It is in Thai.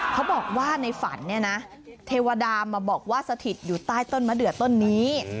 เขาบอกว่าในฝันเนี่ยนะเทวดามาบอกว่าสถิตอยู่ใต้ต้นมะเดือต้นนี้